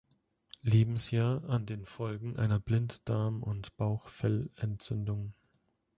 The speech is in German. Lebensjahr an den Folgen einer Blinddarm- und Bauchfellentzündung.